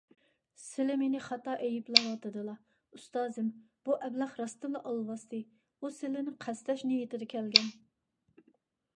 سىلى مېنى خاتا ئەيىبلەۋاتىدىلا، ئۇستازىم، بۇ ئەبلەخ راستتىنلا ئالۋاستى، ئۇ سىلىنى قەستلەش نىيىتىدە كەلگەن.